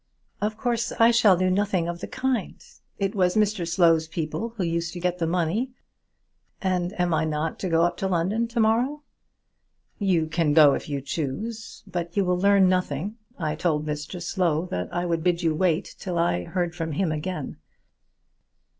"Of course, I shall do nothing of the kind. It was Mr Slow's people who used to get the money. And am I not to go up to London to morrow?" "You can go if you choose, but you will learn nothing. I told Mr Slow that I would bid you wait till I heard from him again.